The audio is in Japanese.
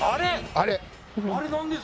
あれ！